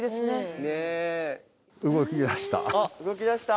動きだした。